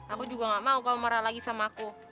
aku juga gak mau kau marah lagi sama aku